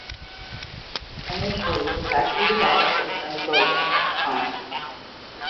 Initially the factory developed and printed photographs of clients.